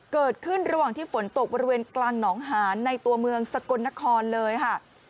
เกิดขึ้นระหว่างที่ฝนตกบริเวณกลางหนองหานในตัวเมืองสกลนครเลยค่ะ